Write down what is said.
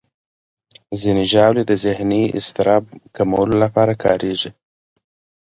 ځینې ژاولې د ذهني اضطراب کمولو لپاره کارېږي.